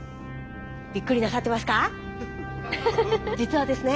びっくりなさってますか？